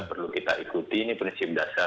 perlu kita ikuti ini prinsip dasar